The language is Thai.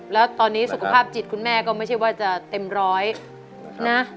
แล้วตอนนี้สุขภาพจิตคุณแม่ก็ไม่ใช่ว่าจะเต็มร้อยนะ